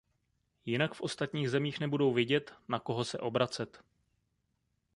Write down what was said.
Jinak v ostatních zemích nebudou vědět, na koho se obracet.